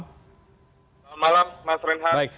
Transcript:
selamat malam mas renha